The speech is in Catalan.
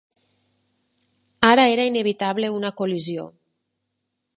Ara era inevitable una col·lisió.